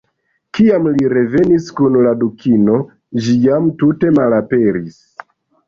Kiam li revenis kun la Dukino, ĝi jam tute malaperis.